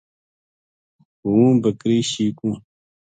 ہوں بکری شیکوں